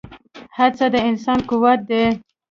هڅه د انسان قوت دی.